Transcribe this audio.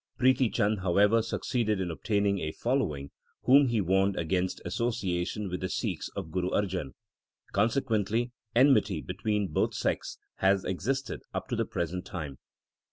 Prithi Chand, however, succeeded in obtaining a following, whom he warned against association with the Sikhs of Guru Arjan. Consequently enmity between both sects has existed up to the present time.